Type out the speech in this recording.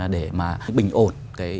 để bình ổn